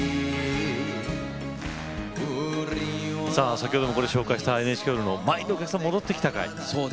先ほども紹介したＮＨＫホールに満員のお客様が戻ってきた回。